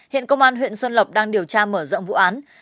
hiện công an huyện xuân lộc đang điều tra mở rộng vụ án